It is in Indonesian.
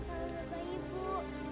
selamat pagi bu